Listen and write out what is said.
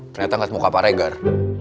ternyata gak semuka pak regar